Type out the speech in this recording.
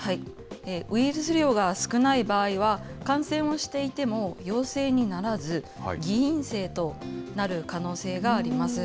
ウイルス量が少ない場合は、感染をしていても陽性にならず、偽陰性となる可能性があります。